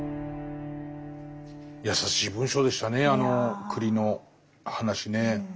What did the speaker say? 優しい文章でしたねあの栗の話ね。